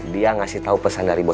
dia ngasih tau pesan dari bos bubun